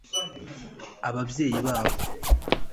ababyeyi babo